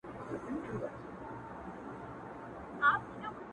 له څه مودې راهيسي داسـي يـمـه ـ